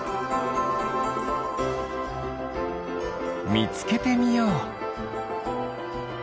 みつけてみよう。